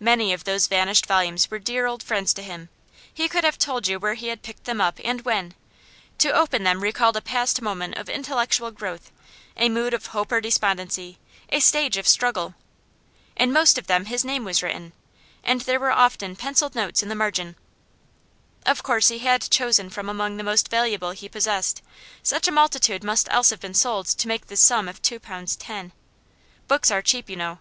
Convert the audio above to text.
Many of those vanished volumes were dear old friends to him; he could have told you where he had picked them up and when; to open them recalled a past moment of intellectual growth, a mood of hope or despondency, a stage of struggle. In most of them his name was written, and there were often pencilled notes in the margin. Of course he had chosen from among the most valuable he possessed; such a multitude must else have been sold to make this sum of two pounds ten. Books are cheap, you know.